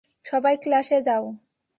সবাই ক্লাসে যাও।